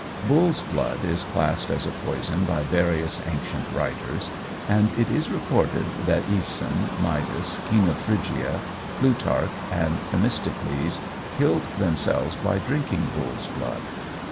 Bull's blood is classed as a poison by various ancient writers, and it is recorded that Æson, Midas King of Phrygia, Plutarch, and Themistocles, killed themselves by drinking bull's blood.